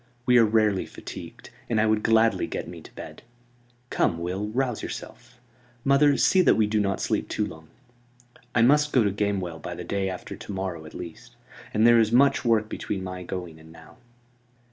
We are rarely fatigued, and I would gladly get me to bed. Come, Will, rouse yourself. Mother, see that we do not sleep too long. I must go to Gamewell by the day after to morrow at least; and there is much work between my going and now."